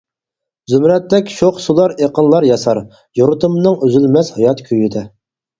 زۇمرەتتەك شوخ سۇلار ئېقىنلار ياسار، يۇرتۇمنىڭ ئۈزۈلمەس ھايات كۈيىدە.